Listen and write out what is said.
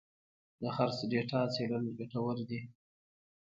د خرڅ ډیټا څېړل ګټور دي.